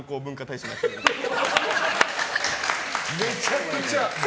めちゃくちゃ。